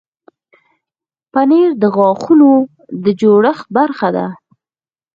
پنېر د غاښونو د جوړښت برخه ده.